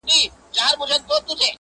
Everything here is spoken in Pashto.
چاته ولیکم بیتونه پر چا وکړمه عرضونه٫